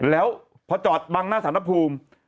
แล้วพอจอดบังหน้าสารภูมิ